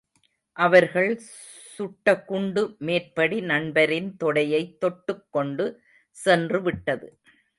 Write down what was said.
அவர்கள் சுட்டகுண்டு மேற்படி நண்பரின் தொடையை தொட்டுக் கொண்டு சென்று விட்டது.